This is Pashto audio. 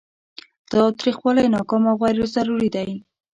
تاوتریخوالی ناکام او غیر ضروري دی.